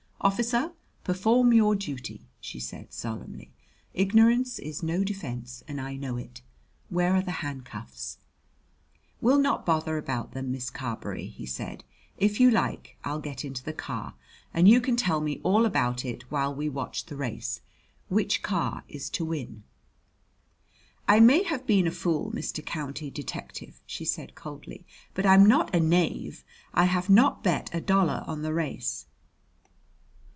"Officer, perform your duty," she said solemnly. "Ignorance is no defense and I know it. Where are the handcuffs?" "We'll not bother about them, Miss Carberry", he said. "If you like I'll get into the car and you can tell me all about it while we watch the race. Which car is to win?" "I may have been a fool, Mr. County Detective," she said coldly; "but I'm not a knave. I have not bet a dollar on the race."